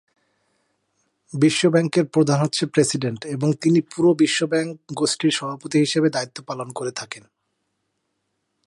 বিশ্ব ব্যাংকের প্রধান হচ্ছে প্রেসিডেন্ট এবং তিনি পুরো বিশ্ব ব্যাংক গোষ্ঠীর সভাপতি হিসেবে দায়িত্ব পালন করেন।